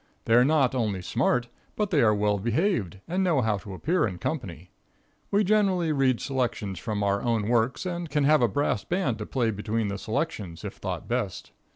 They are not only smart, but they are well behaved and know how to appear in company. We generally read selections from our own works, and can have a brass band to play between the selections, if thought best.